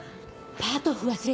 パート譜忘れた。